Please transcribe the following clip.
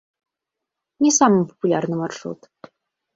Не самы папулярны маршрут.